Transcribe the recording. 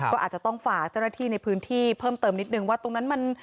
ก็อาจจะต้องฝากเจ้าหน้าที่ในพื้นที่เพิ่มเติมนิดนึงว่าตรงนั้นมัน